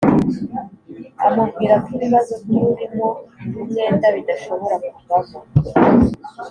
Amubwira ko Ibibazo by urimo umwenda bidashobora kuvamo